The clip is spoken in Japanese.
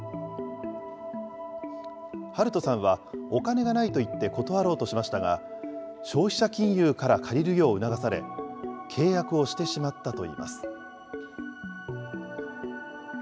ハルトさんは、お金がないと言って断ろうとしましたが、消費者金融から借りるよう促され、契約をしてしまったといいます。